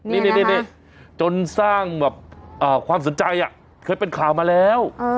นี่จนสร้างแบบความสนใจเคยเป็นข่าวมาแล้ว